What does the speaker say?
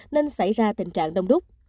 nên xảy ra tình trạng đông đúc